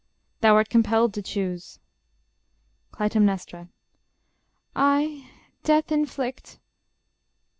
_ Thou art compelled to choose. Cly. I death inflict